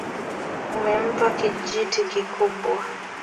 Umempa kijti kikubwa